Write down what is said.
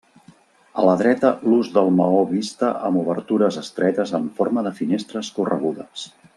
A la dreta l'ús del maó vista amb obertures estretes en forma de finestres corregudes.